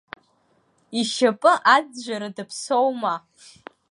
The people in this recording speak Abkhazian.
Ишьапы аӡәӡәара даԥсоума.